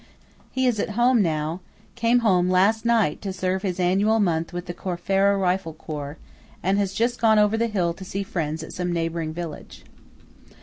He is at home now–came home last night to serve his annual month with the Corfara rifle corps–and has just gone over the hill to see friends at some neighbouring village.